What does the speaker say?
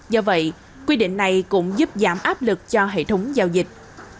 do vậy quy định này cũng giúp giảm áp lực cho hệ thống giao dịch